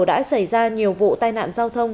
đã xảy ra nhiều vụ tai nạn giao thông